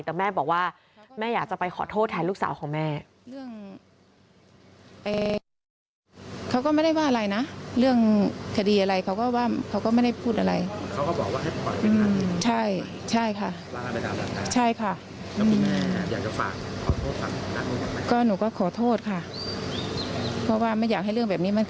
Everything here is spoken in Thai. แต่แม่บอกว่าแม่อยากจะไปขอโทษแทนลูกสาวของแม่